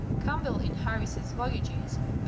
Campbell in Harris' Voyages, p.